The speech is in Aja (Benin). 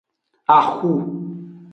Axu.